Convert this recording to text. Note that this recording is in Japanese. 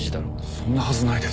そんなはずないです。